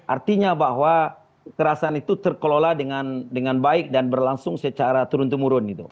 artinya bahwa kerasan itu terkelola dengan baik dan berlangsung secara turun temurun